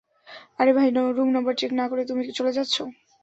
আরে ভাই, room number check না করে তুমি চলে যাচ্ছো।